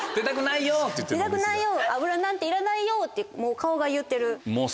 油なんていらないよって顔が言ってる。